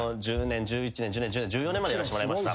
１０年１１年１４年までやらせてもらいました。